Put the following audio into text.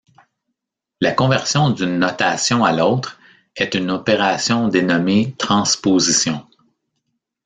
La conversion d'une notation à l'autre, est une opération dénommée transposition.